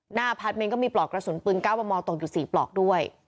พาร์ทเมนต์ก็มีปลอกกระสุนปืน๙มมตกอยู่๔ปลอกด้วย